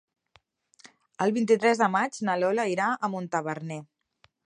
El vint-i-tres de maig na Lola irà a Montaverner.